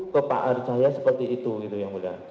ke pak ari cahya seperti itu yang mulia